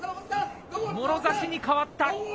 もろ差しに変わった。